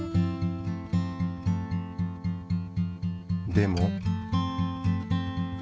でも。